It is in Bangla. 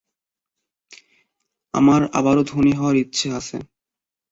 আমার আবারও ধনী হওয়ার ইচ্ছে আছে।